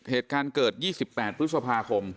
เหตุการณ์เกิด๒๘พฤษภาคม